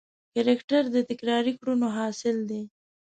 کرکټر د تکراري کړنو حاصل دی.